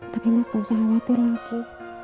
tapi mas gak usah khawatir lagi